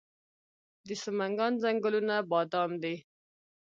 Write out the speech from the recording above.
د سمنګان ځنګلونه بادام دي